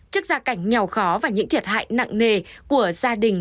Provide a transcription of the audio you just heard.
trước ra cảnh nhào khó và những thiệt hại nặng nề của gia đình